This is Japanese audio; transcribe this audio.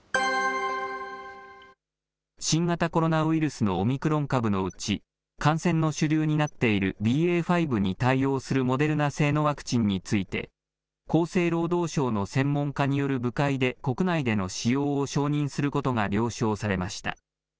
新型コロナウイルスのオミクロン株のうち、感染の主流になっているＢＡ．５に対応するモデルナ製のワクチンについて、厚生労働省の専門家による部会で、国内での使用を承認することが了承されました。